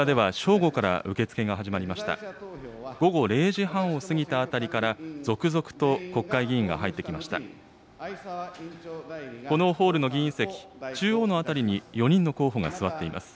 午後０時半を過ぎたあたりから、続々と国会議員が入ってきました。